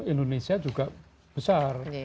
indonesia juga besar